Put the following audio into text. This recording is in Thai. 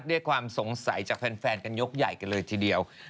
ด้วยความสงสัยจากแฟนกันยกใหญ่กันเลยทีเดียว